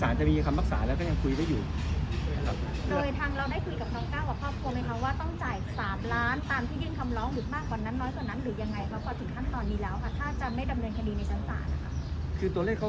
มาก่อถึงขั้นตอนนี้แล้วถ้าจะไม่ดำเนินคัณีแน่ศาสตรา